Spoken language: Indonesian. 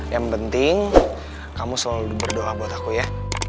yang penting kamu selalu berdoa buat aku ya